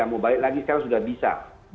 mau balik lagi sekarang sudah bisa